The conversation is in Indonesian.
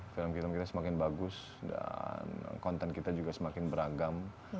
film film kita semakin bagus dan konten kita juga semakin beragam